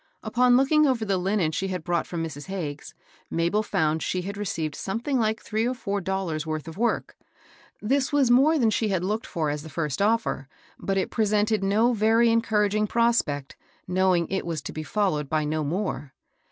Upon looking over the linen she had brought fix>m Mrs. Hagges's, Mabel fonnd she had received something like three or four dollars' worth of work. This was more than she had looked for as the first offer, but it presented no very encoor aging prospect, knowing it was to be followed by no more.